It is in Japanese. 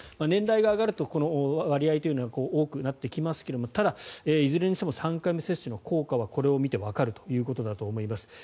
年代が上がると割合というのは多くなってきますがただ、いずれにしても３回目接種の効果はこれを見るとわかるということだと思います。